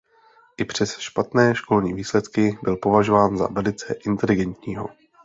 I přes špatné školní výsledky byl považován za velice inteligentního.